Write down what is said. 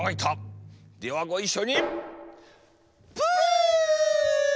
ではごいっしょに。